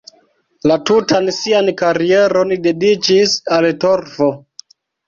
La tutan sian karieron dediĉis al torfo.